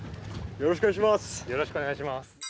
よろしくお願いします。